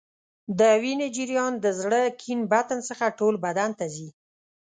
د وینې جریان د زړه کیڼ بطن څخه ټول بدن ته ځي.